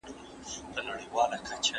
د هغه نیکه د علم او فرهنګ خدمتګار و.